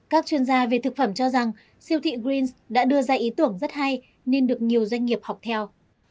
các chuyên gia về thực phẩm cho rằng siêu thị greens đã đưa ra ý tưởng rất hay nên được nhiều doanh nghiệp học theo